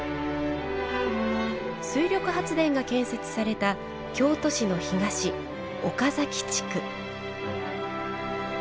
水力発電が建設された京都市の東、岡崎地区。